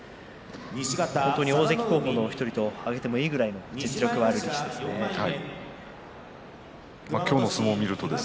本当に大関候補の１人と挙げてもいいくらい実力がある人です。